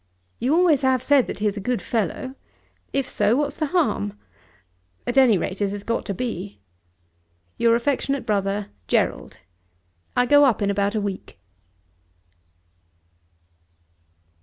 You always have said that he is a good fellow. If so, what's the harm? At any rate it has got to be. Your affectionate Brother, GERALD. I go up in about a week.